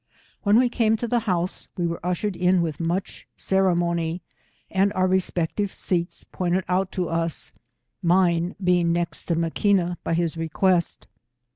When we came to the bouse, we were ushered in with much ceremony, and our re spective seats pointed out to us, mine being next to Maquina by his request.